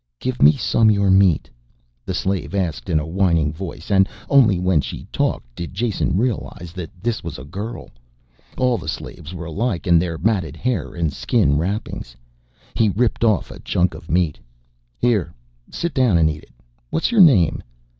"Give me some your meat?" the slave asked in a whining voice, and only when she talked did Jason realize that this was a girl; all the slaves were alike in their matted hair and skin wrappings. He ripped off a chunk of meat. "Here. Sit down and eat it. What's your name?"